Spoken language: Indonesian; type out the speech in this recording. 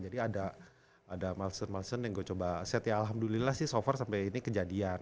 jadi ada ada malsen malsen yang gue coba set ya alhamdulillah sih so far sampai ini kejadian